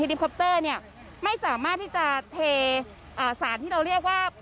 เนี่ยไม่สามารถที่จะเทอ่าสารที่เราเรียกว่า